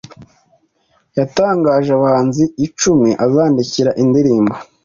yatangaje abahanzi icumi azandikira indirimbo